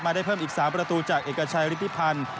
ได้เพิ่มอีก๓ประตูจากเอกชัยฤทธิพันธ์